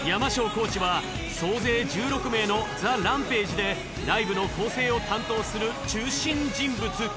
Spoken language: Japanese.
コーチは総勢１６名のＴＨＥＲＡＭＰＡＧＥでライブの構成を担当する中心人物。